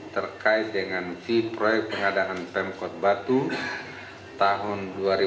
terkait dengan fee proyek pengadaan pemkot batu tahun dua ribu dua puluh